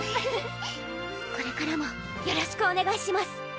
これからもよろしくおねがいします